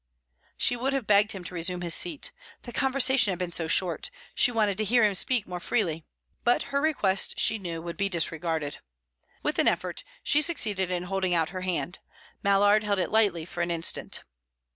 She would have begged him to resume his seat. The conversation had been so short; she wanted to hear him speak more freely. But her request, she knew, would be disregarded With an effort, she succeeded in holding out her hand Mallard held it lightly for an instant.